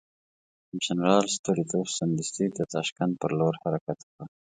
جنرال ستولیتوف سمدستي د تاشکند پر لور حرکت وکړ.